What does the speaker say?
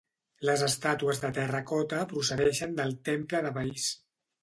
Les estàtues de terracota procedeixen del temple de Veïs.